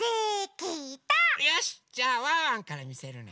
よしっじゃあワンワンからみせるね。